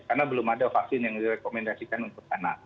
karena belum ada vaksin yang direkomendasikan untuk anak